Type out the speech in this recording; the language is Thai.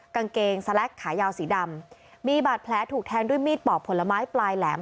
กางเกงสแล็กขายาวสีดำมีบาดแผลถูกแทงด้วยมีดปอกผลไม้ปลายแหลม